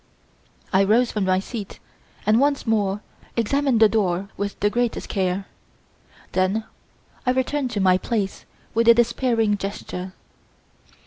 I rose from my seat and once more examined the door with the greatest care. Then I returned to my place with a despairing gesture.